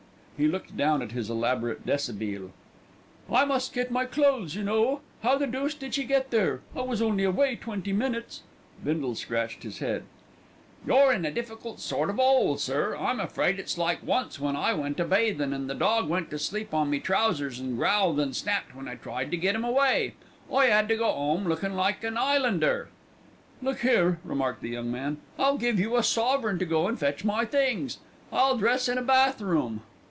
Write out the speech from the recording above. He looked down at his elaborate deshabille. "I must get my clothes, you know. How the deuce did she get there? I was only away twenty minutes." Bindle scratched his head. "You're in a difficult sort of 'ole, sir. I'm afraid it's like once when I went a bathin', and a dog went to sleep on me trousers and growled and snapped when I tried to get 'em away. I 'ad to go 'ome lookin' like an 'Ighlander." "Look here," remarked the young man. "I'll give you a sovereign to go and fetch my things. I'll dress in a bath room."